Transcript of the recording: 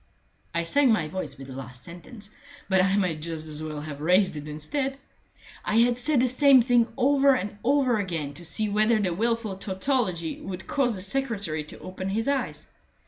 I sank my voice with the last sentence, but I might just as well have raised it instead. I had said the same thing over and over again to see whether the wilful tautology would cause the secretary to open his eyes.